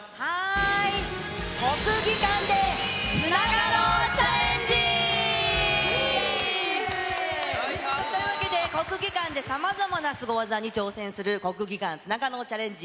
国技館でつながろうチャレンジ。というわけで、国技館でさまざまなすご技に挑戦する、国技館つながろうチャレンジ。